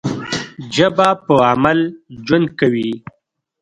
ژبه په عمل ژوند کوي.